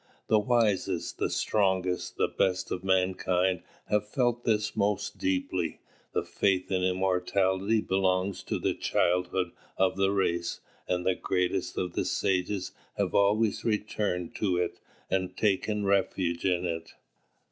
The wisest, the strongest, the best of mankind, have felt this most deeply. The faith in immortality belongs to the childhood of the race, and the greatest of the sages have always returned to it and taken refuge in it.